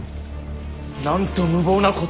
なんと無謀なことを！